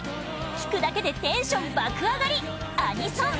聴くだけでテンション爆上がりアニソン！